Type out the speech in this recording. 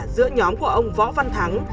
giữa nhóm của ông võ văn thắng